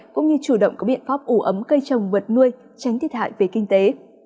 cũng như chủ động có biện pháp ủ ấm cây trồng vật nuôi tránh thiệt hại về kinh tế